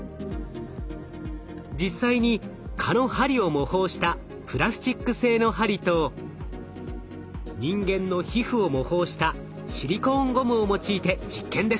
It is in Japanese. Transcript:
実際に蚊の針を模倣したプラスチック製の針と人間の皮膚を模倣したシリコーンゴムを用いて実験です。